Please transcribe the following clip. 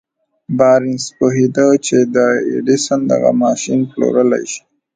بارنس پوهېده چې د ايډېسن دغه ماشين پلورلای شي.